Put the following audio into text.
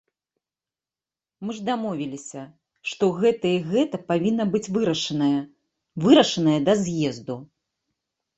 Мы ж дамовіліся, што гэта і гэта павінна быць вырашанае, вырашанае да з'езду.